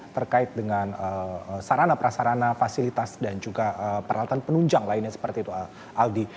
terkait dengan sarana prasarana fasilitas dan juga peralatan penunjang lainnya seperti itu aldi